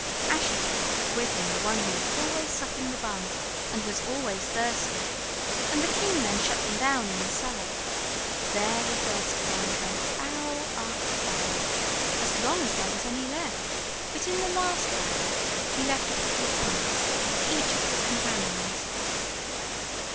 Ashiepattle took with him the one who was always sucking the bung and was always thirsty; and the king then shut them down in the cellar. There the thirsty one drank barrel after barrel, as long as there was any left, but in the last barrel he left a couple of pints to each of his companions.